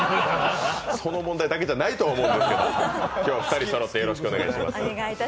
その問題だけじゃないと思うんですけど今日は２人そろってよろしくお願いします。